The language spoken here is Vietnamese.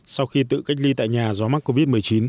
sau khi tự cách ly tại nhà do mắc covid một mươi chín